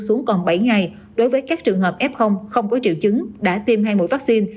xuống còn bảy ngày đối với các trường hợp f không có triệu chứng đã tiêm hai mũi vaccine